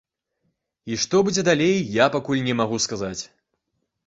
І што будзе далей, я пакуль не магу сказаць.